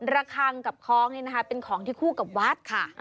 ระคังกับคล้องนี่นะคะเป็นของที่คู่กับวัดค่ะ